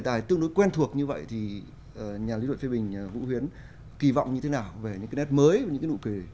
đề tài tương đối quen thuộc như vậy thì nhà lý luận phê bình vũ huyến kỳ vọng như thế nào về những cái nét mới và những cái nụ cười